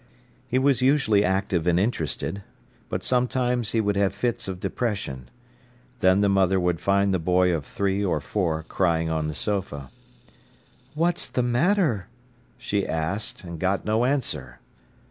He was usually active and interested, but sometimes he would have fits of depression. Then the mother would find the boy of three or four crying on the sofa. "What's the matter?" she asked, and got no answer.